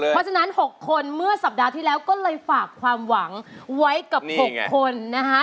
เพราะฉะนั้น๖คนเมื่อสัปดาห์ที่แล้วก็เลยฝากความหวังไว้กับ๖คนนะคะ